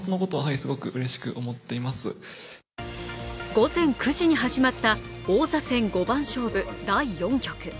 午前９時に始まった王座戦五番勝負第４局。